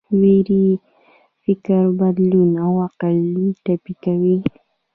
ویرې فکر بدلوي او عقل ټپي کوي.